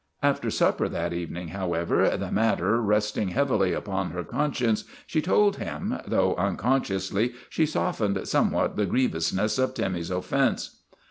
After supper that evening, how ever, the matter resting heavily upon her conscience, she told him, though unconsciously she softened somewhat the grievousness of Timmy 's offense.